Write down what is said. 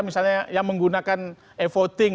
misalnya yang menggunakan e voting